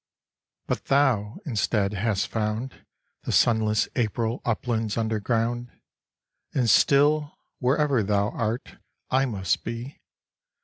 But thou, instead, hast found The sunless April uplands underground, And still, wherever thou art, I must be.